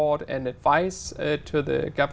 càng nhiều cơ hội